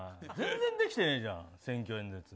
全然できてねえじゃん選挙演説。